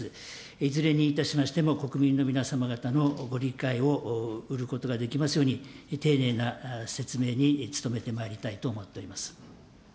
いずれにいたしましても、国民の皆様方のご理解を得ることができますように、丁寧な説明に努めてまいりたいと思っております。